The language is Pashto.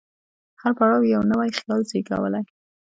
هر پړاو یو نوی خیال زېږولی.